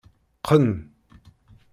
Qqen.